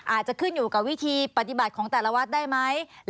อาจจะขึ้นอยู่กับวิธีปฏิบัติของแต่ละวัดได้ไหม